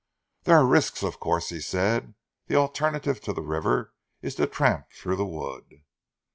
"There are risks, of course," he said. "The alternative to the river is to tramp through the wood."